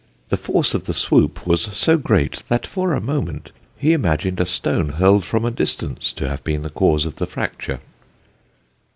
The force of the swoop was so great that for a moment he imagined a stone hurled from a distance to have been the cause of the fracture."